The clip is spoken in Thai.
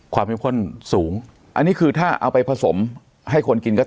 เข้มข้นสูงอันนี้คือถ้าเอาไปผสมให้คนกินก็